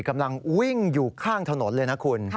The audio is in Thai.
กำลังวิ่งอยู่ข้างถนนเลยนะคุณ